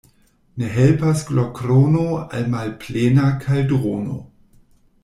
Ne helpas glorkrono al malplena kaldrono.